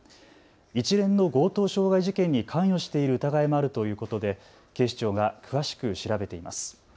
一連の強盗傷害事件に関与している疑いもあるということで警視庁が詳しく調べています。